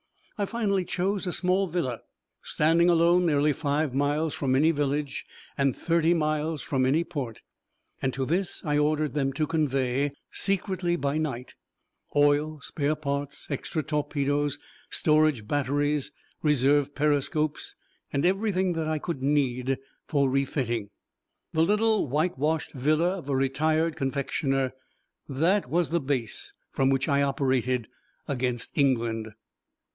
I finally chose a small villa standing alone nearly five miles from any village and thirty miles from any port. To this I ordered them to convey, secretly by night, oil, spare parts, extra torpedoes, storage batteries, reserve periscopes, and everything that I could need for refitting. The little whitewashed villa of a retired confectioner that was the base from which I operated against England.